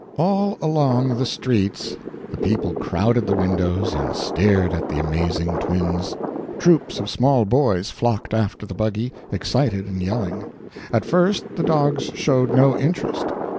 ] All along the streets the people crowded the windows and stared at the amazing twins. Troops of small boys flocked after the buggy, excited and yelling. At first the dogs showed no interest.